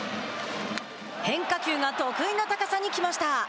変化球が得意の高さに来ました。